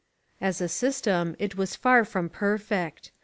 As a system it was far from perfect.